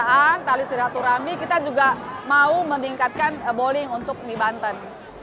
kegiatan tali silaturahmi kita juga mau meningkatkan bowling untuk di banten